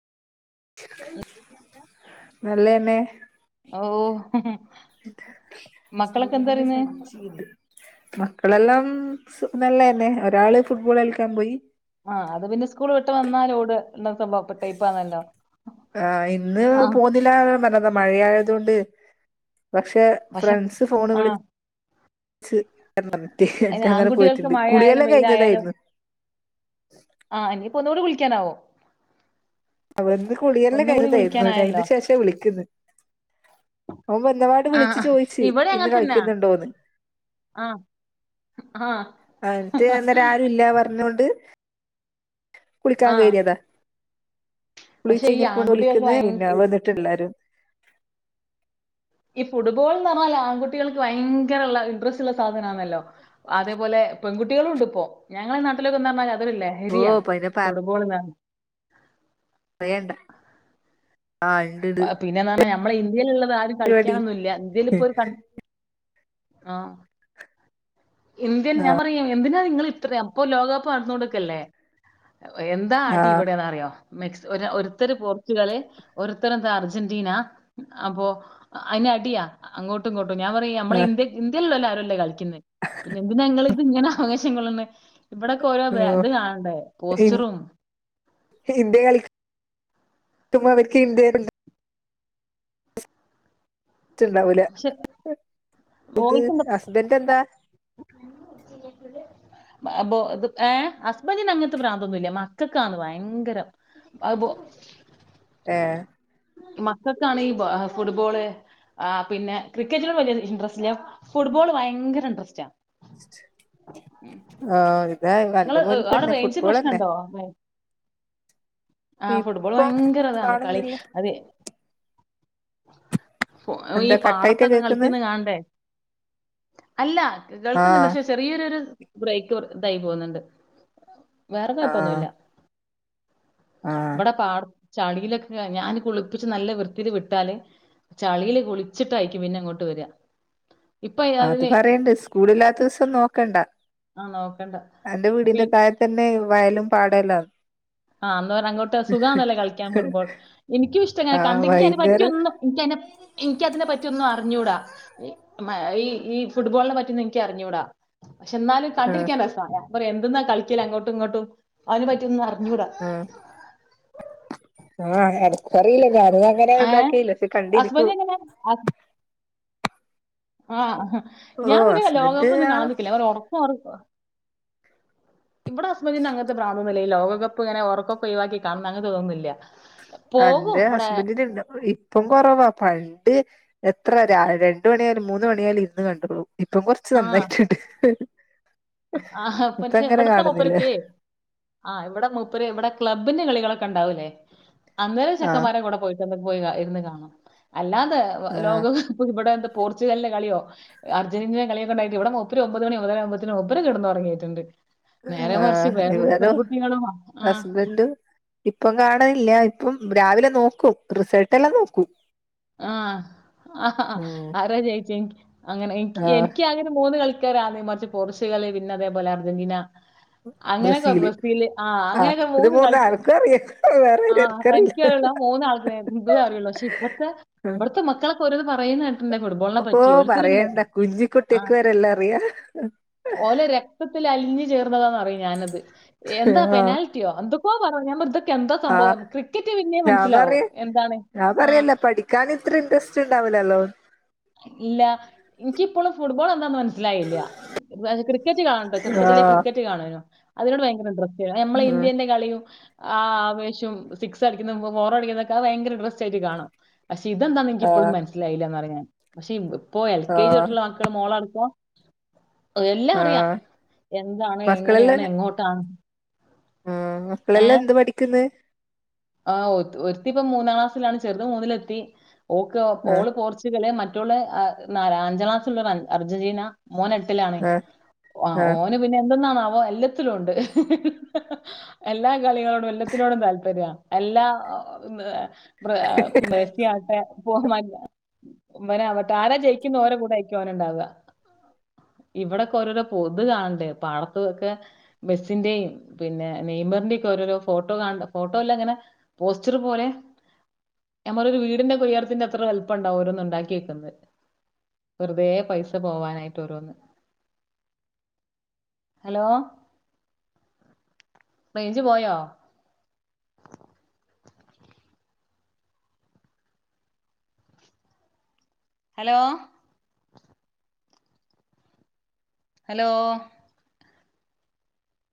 നല്ലെന്നെ ഓഹ ഇ സ്റ്റോറൂമില സൈഡ ഇ മക്കളെല്ലാം സുഖംനല്ലതന്നെ ഒരാള് ഫുട്ബോൾ കളിക്കാൻ പോയി ആഹ് അത് പിന്നെ സ്കൂൾ വിട്ട് വന്നാൽ ഓടും [unintelligible] ആഹ ഇന്ന് പോന്നില്ല പറഞ്ഞു മഴയായതുകൊണ്ട് പക്ഷെ പക്ഷെ ഫ്രണ്ട്സ് ഫോണ ആ വിളി മറ്റേ അയിന് എന്നട്ട് അങ്ങനെ ആൺകുട്ടികൾക്ക് പോയിട്ടുണ്ട് മഴ ആയാലും കുളിയെല്ലാം വെയിലായാലും കഴിഞ്ഞതായിരുന്നു ആ ഇനിയിപ്പോ ഒന്നുകൂടി കുളിക്കാനാ വോ അവന്ന് കുളിയല്ല ഒന്നും കൂടി കഴിഞ്ഞതായിരുന്നു കുളിക്കാനായല്ലോ അതിന് ശേഷം വിളിക്കുന്നു അവൻ എന്ന ആ വിളിച്ചു ചോയിച്ചു ഇവിടെ ഇന്ന് അങ്ങനെ തന്നാ കളിക്കുന്നുണ്ടോന്ന് ആഹ അട്ട അന്നേരം ആരും ഇല്ല പറഞ്ഞൊണ്ട് കുളിക്കാൻ ആ കറിയതാ കുളിച്ച് പക്ഷെ ഈ കഴിഞ്ഞപ്പോണ്ട് ആൺകുട്ടികൾക്ക് വിളിക്കുന്ന ഭയ പിന്നെ വന്നിട്ടുള്ളാരും ഈ ഫുട്ബോൾ എന്ന് പറഞ്ഞാല് ആൺകുട്ടികൾക്ക് ഭയങ്കര ഇൻട്രസ്റ്റ് ഉള്ള സാധനമാണല്ലോ അതേപോലെ പെൺകുട്ടികളും ഉണ്ട് ഇപ്പോ ഞങ്ങളെ നാട്ടിലൊക്കെന്ന് പറഞ്ഞാൽ അത ഓ ലഹരിയാ പിന്നെ ഫുട്ബോൾ മഴയണ്ട പിന്നെന്നാണ് നമ്മളെ ഇന്ത്യൽള്ളത് ആരും പരിപാടി കളിക്കാനൊന്നുംല്ല ഇന്ത്യയിൽ ഇപ്പോ ഒരു ആഹ ഇന്ത്യൻ ഞാൻ പറയേ എന്തിനാ നിങ്ങള് ഇത്രം അപ്പൊ ലോകകപ്പ് നടന്നോണ്ടിക്കല്ലേ. എന്താ ആ അടി ഇവിടെന്ന അറിയോ മെക്സി ഒരുത്തർ പോർച്ചുഗാല ഒരുത്തർന്താ അർജന്റീന അപ്പൊ അതിന് അടിയാ അങ്ങോട്ടും ഇങ്ങോട്ടും ഞാൻ പറ നമ്മളെ ആ ഇന്ത്യ ഇന്ത്യയിലുള്ളല്ല ആരുംല്ലേ കളിക്കുന്നത് പിന്നെ എന്തിനനിങ്ങളിത് ഇങ്ങനെ അവേശം കൊള്ളുന്ന ഇവിടൊക്കെ ഓരോ ഇത് ഓ കാണണ്ടേ പോസ്റ്ററും ഇന്ത്യ കളിക്കുമ്പോ അവർക്ക് ഇന്ത്യ ണ്ടാവൂല പക്ഷെ ഇത് വോയിസെന്താ ഹസ്ബന്റ് എന്താ [inaudible] ഏ ഹസ്ബൻറിന് അങ്ങനത്തെ പ്രാന്തൊന്നുമല്ല മക്കക്കന്ന് ഭയങ്കരം അത് പോ ഏ മക്കക്കാണ് ഈ ഫുട്ബോള് ആ പിന്നെ ക്രിക്കറ്റിനും വലിയ ഇൻട്രസ്റ്റ് ഇല്ല ഫുട്ബോൾ ഭയങ്കര ഇൻട്രസ്റ്റ് സ്റ്റാ ആഹ ഇതായി പണ്ട് മുതൽ തന്നെ റേഞ്ച് ഫുട്ബോൾ തന്നെ [unintelligible] ആഹ ഫുട്ബോൾ ഇപ്പൊ ഭയങ്കര ഇതാണ് കളി കാണുന്നില്ല അത ഈ എന്താ കട്ടായിട്ടാ പാടത്തൊക്കെ കേക്കുന്നെ കളിക്കുന്നത് കാണണ്ടേ അല്ല ആ കേൾക്കുന്നുണ്ട് ക്ഷേ ചെറിയൊരുരു ബ്രേക്ക് ഇതായി പോകുന്നുണ്ട് വേറെ ആ കൊഴപ്പൊന്നുമല്ല ആ ഇവിടെ പാട ചളിയിലൊക്കെ ഞാന് കുളിപ്പിച്ച് നല്ല വൃത്തിൽ വിട്ടാല് ചളിയില് കുളിച്ചിട്ടായിരിക്കും പിന്നെ ഇങ്ങോട്ട് വരിക ഇപ്പൊ അത് അതിന് പറയണ്ട് സ്കൂളില്ലാത്ത ദിവസം നോക്കണ്ട ആ നോക്കണ്ട എന്റെ പി വീടിന്റെ താഴെ തന്നെ വയലും പാടല്ലാ ആഹന്ന് പറ അങ്ങോട്ട് സുകാണല്ലോ കളിക്കാൻ ഫുട്ബോൾ എനിക്ക ആ ഇഷ്ടംങ്ങനെ കണ്ടെങ്കിൽ അ പറ്റിയ വൈകുന്നേരം ഒ എനിക്കതിനെ എനിക്ക അതിനെ പറ്റിയ ഒന്നും അറിഞ്ഞൂടാ മാ ഈ ഈ ഫുട്ബോളിനെ പറ്റി ഒന്നും എനിക്ക് അറിഞ്ഞൂടാ ക്ഷെ എന്നാലും ആ കണ്ടിരിക്കാൻ രസാ എന്തെന്നാ കളിക്കല അങ്ങോട്ടും ഇങ്ങോട്ടും അതിനെപ്പറ്റിയൊന്നും അറിഞ്ഞൂടാ ആഹ് ആഹ് എനിക്കറിയില്ല ഞാനിത് [inaudible] ഏ ഇതാക്കിലെ കണ്ടിരിക്കൂ ഹസ്ബൻഡ് എങ്ങനെ ആഹ് ഓ ഞാൻ പിന്നെ ഹസ്ബൻഡ് ലോകകപ്പ് ഒന്നും ആ കാണാന്നിക്കില്ല ഒരു ഒറക്ക ഒറ ഇവിട ഹസ്ബൻഡിന് അങ്ങത്തെ പ്രാന്തൊന്നുല്ല ഈ ലോകകപ്പ് ഇങ്ങനെ ഉറക്കൊക്കെ ഒഴിവാക്കി കാണുന്ന അങ്ങന്‌ത്തൊന്നുല്ല അന്റെ ഹസ്ബന്റിന് ഇല്ല ഇപ്പം കൊറവാ പണ്ട് എത്ര ര രണ്ട് മണിയാലും മൂന്ന് മണിയാലും ഇരുന്ന് കണ്ടോളും. ഇപ്പം കൊറച്ച് നന്നായിട്ട്ണ്ട്. ആഹ പക്ഷേ, ഇബ്ടത്തെ മൂപ്പർക്കേ ആഹ് ഇവിടെ മുപ്പര്, ഇവിടെ ക്ലബിന്റെ കളികളൊക്ക ഉണ്ടാവൂല്ലേ, അന്നേരം ആഹ് ചെക്കന്മാരെ കൂടെ പോയി പോയി ഇരുന്ന് കാണാം. അല്ലാതെ ലോക ആഹ് ഇബടെ എന്ത പോർച്ചുഗലിന്റെ കളിയോ, അർജന്റീനെന്റെ കളിയൊക്കെണ്ടായിട്ട് ഇവിടെ മൂപ്പര് ഒമ്പത് മണി ഒമ്പതര ആമ്പോ മൂപ്പര് കെടന്നുറങ്ങിയിട്ടിണ്ട്. ആഹ് ഇവരൊ ആ ഹസ്ബൻഡ് ഇപ്പം കാണ ഇല്ല ഇപ്പം രാവിലെ നോക്കും റിസോൾട്ടെല്ലാം നോക്കും ആഹ് ആഹാ ഉം ആരാ ജയിച്ചെ അങ്ങന എനിക്ക് ആഹ് എനിക്ക് അങ്ങനെ മൂന്ന് കളി ക്കാ ആദ്യം മറിച്ച് പോർഷുഗൽ പിന്ന അതേപോലെ അർജന്റീന അങ്ങനെയൊക്കെ ബ്രസീല്, ആഹ് അങ്ങനെയൊക്കെ ഇത് മൂന്ന് കളിക്കും. ആൾക്കും അറിയാം വേറെ ആഹ് ആർക്കറിയില്ല ക മൂന്നാൾക്ക് എന്തും അറിയുള്ളൂ. പക്ഷെ ഇപ്പഴത്തെഇവിടത്തെ മക്കളൊക്കെ ഓരോന്ന്‌ പറയുന്നത് കേട്ടിട്ട് ന്റെ ഫുട്ബോളിനെ ഓഹ് പറ്റി. ഓൽക്കൂരുല്ലേ പറയണ്ട കുഞ്ഞിക്കുട്ടിക്ക് ആഹ് വരെല്ലാം അറിയാ ഓലെ രക്തത്തിൽ അലിഞ്ഞ് ചേർന്നതാന്ന്‌ പറേം ഞാനത്. എന്താ ആഹ് പെനാൽ എന്തൊക്കോ പറഞ്ഞ് ഞാൻ മ എന്താ ആഹ് സംഭവം. ക്രിക്കറ്റ് പിന്നേം ഞാൻ മനസ്സിലാവും. എന്താണ് ആഹ് കാന് ഇത്ര ഇന്റെരെസ്റ്റ് ഇണ്ടാവില്ലല്ലോ. ഇല്ല. ഇൻക്കിപ്പളും ഫുട്ബോൾ എന്താന്ന് മനസ് മനസ്സിലായില്ല. ക്രിക്കറ്റ് കാണാറുണ്ടാർന്നു ചെറുപ്പത്തില്, ആഹ് ക്രിക്കറ്റ് കാണാരുണ്ടാർന്നു. അതിനോട് ഭയങ്കര ഇൻട്രസ്റ്റ് വേറെ നമ്മളെ ഉം ഇന്ത്യന്റെ കളിയും ആഹ് ആവേശം, സിക്സ് അടിക്കുന്നതും, ഫോറടിക്കുന്നതൊക്കെ അത് ഭയങ്കര ഇൻട്രസ്റ്റ് ആയിട്ട് കാണും. പക്ഷെ ഇതെന്താന്ന്‌ ഇക്കിപ്പോഴും ആഹ് മനസ്സിലായില്ലാന്ന് പറയും ഞാൻ. പക്ഷെ, ഇപ്പോൾ എൽ കെ ജി ആഹ് തൊട്ടുള്ള മോളടുത്താ, എല്ലാം അറിയാം ആഹ് എന്താണ് എങ്ങനെയാണ് മക്കളെല്ലാം എങ്ങോട്ടാണ് ആഹ് മക്കളെല്ലാം എന്ത് പഠിക്ക്ന്ന്? ആഹ് ഒരുത്തിപ്പ മൂന്നാം ക്ലാസ്സിലാണ് ചെറുത് മൂന്നിലെത്തി. ഓക്ക് ആഹ് ഓള് പോർചി [unintelligible] മറ്റോള് നാല അഞ്ചാംക്ലാസ്സിലുള്ളോള് അർജന്റീന മോനെട്ടിലാണ്. ആഹ് ആഹ് ഓന് പിന്നെ എന്തെന്നാണാവോ എല്ലാത്തിലും ഇണ്ട്. എല്ലാ കളികളോടും, എല്ലാത്തിനോടും താല്പര്യ. അല്ലാ മെസിയാവട്ടെ പോകല്ല അവനാവട്ടെ ആരാ ജയിക്കുന്ന്‌ ഓരേ കൂടെയാരിക്കും അവനുണ്ടാവാ. ഇവിടൊക്കെ ഓരോരോ തു കാണണ്ടേ പാടത്തൊക്കെ. മെസ്സിന്റേം പിന്നെ നെയ്മറിന്റേം ഒക്കെ ഓരോരോ ഫോട്ടോ കാ ഫോട്ടോ അല്ലെ ങ്ങനെ പോസ്റ്ററ് പോലെ നമ്മളൊരു വീടിന്റെ കൊയ്യാത്തിന്റെ അത്ര വെലുപ്പാണ്ടാവുല്ല. ഒരു മ ഉണ്ടാക്കി നോക്ക്. വെറുതേ പൈസ പോവാനായിട്ട് ഓരോന്ന്. ഹലോ റേഞ്ച് പോയോ? Hello hello